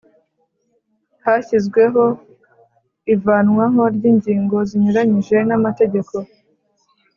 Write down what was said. Hashyizweho ivanwaho ry’ ingingo zinyuranyije n’amategeko